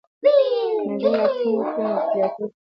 که نجونې اکټینګ وکړي نو تیاتر به خالي نه وي.